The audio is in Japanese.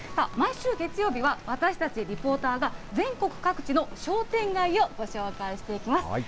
毎週月曜日は私たちリポーターが、全国各地の商店街をご紹介していきます。